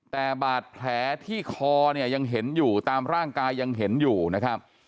แต่บาดแผลที่คอเนี่ยยังเห็นอยู่ตามร่างกายยังเห็นอยู่นะครับ